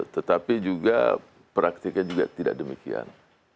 tetapi juga praktiknya juga tidak demikian